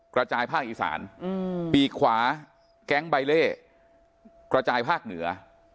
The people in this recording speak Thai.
กระจายภาคอีสานปีกขวาแก๊งใบเล่กระจายภาคเหนือ